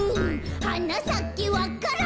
「はなさけわか蘭」